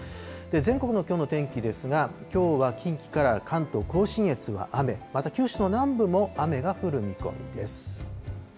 全国のきょうの天気ですが、きょうは近畿から関東甲信越は雨、また九州の南部も雨が降る見込みです。